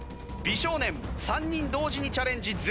美少年３人同時にチャレンジ